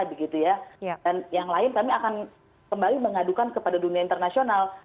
dan yang lain kami akan kembali mengadukan kepada dunia internasional